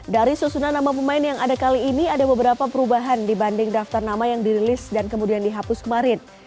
dari susunan nama pemain yang ada kali ini ada beberapa perubahan dibanding daftar nama yang dirilis dan kemudian dihapus kemarin